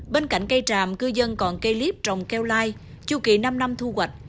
bên cạnh cây tràm cư dân còn cây liếp trồng keo lai chu kỳ năm năm thu hoạch